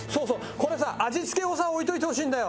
これさ味付けをさ置いといてほしいんだよ。